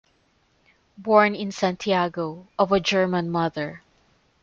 Born in Santiago of a German mother.